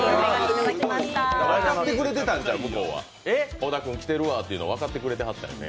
小田君来てくれてるわって分かってくれてはったんやね。